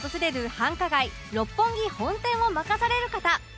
繁華街六本木本店を任される方